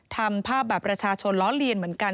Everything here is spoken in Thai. ทำภาพบัตรประชาชนล้อเลียนเหมือนกัน